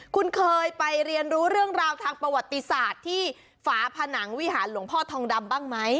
คุณเคยไปเรียนรู้เรื่องราวทางประวัติศาสตร์ที่ฝาผนังวิหารหลวงพ่อทองดำบ้างไหม